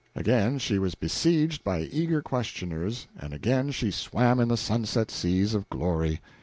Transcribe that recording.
Again she was besieged by eager questioners and again she swam in sunset seas of glory.